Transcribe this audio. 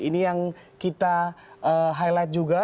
ini yang kita highlight juga